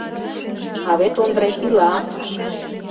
— А вет Ондрет ила.